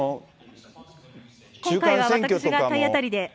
あの、今回は私が体当たりで。